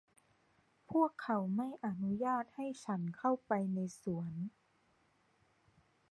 พวกเขาไม่อนุญาตให้ฉันเข้าไปในสวน